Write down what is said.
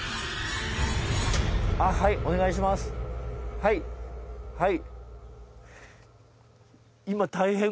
はいはい。